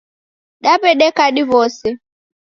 Daw'edeka diw'ose.